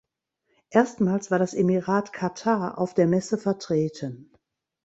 Erstmals war das Emirat Katar auf der Messe vertreten.